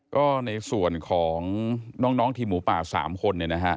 ก็ในส่วนของน้องที่หมู่ป่า๓คน